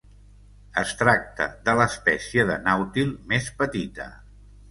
Es tracta de l'espècie de nàutil més petita.